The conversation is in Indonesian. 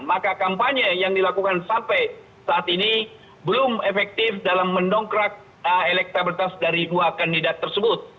maka kampanye yang dilakukan sampai saat ini belum efektif dalam mendongkrak elektabilitas dari dua kandidat tersebut